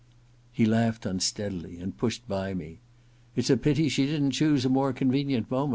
He laughed unsteadily and pushed by me. * It's a pity she didn't choose a more convenient moment.